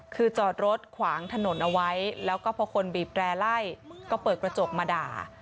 คือจอดรถขวางถนนเอาไว้แล้วก็พอคนบีบแร่ไล่ก็เปิดกระจกมาด่า